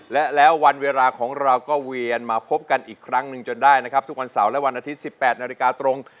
และแล้ววันเวลาของเราก็เวียนมาพบกันอีกครั้งหนึ่งจนได้นะครับทุกวันเสาร์และวันอาทิตย์๑๘นาฬิกาตรง